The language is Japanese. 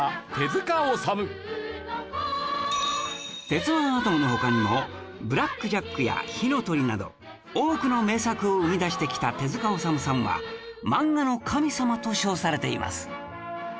『鉄腕アトム』の他にも『ブラック・ジャック』や『火の鳥』など多くの名作を生み出してきた手治虫さんは漫画の神様と称されています